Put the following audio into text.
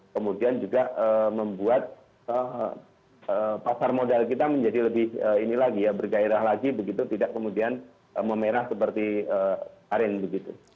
kemudian juga membuat pasar modal kita menjadi lebih ini lagi ya bergairah lagi begitu tidak kemudian memerah seperti arin begitu